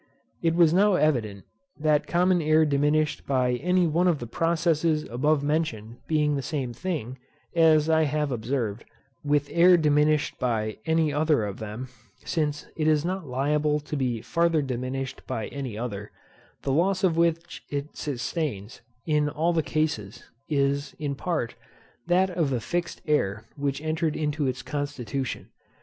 It was now evident that common air diminished by any one of the processes above mentioned being the same thing, as I have observed, with air diminished by any other of them (since it is not liable to be farther diminished by any other) the loss which it sustains, in all the cases, is, in part, that of the fixed air which entered into its constitution.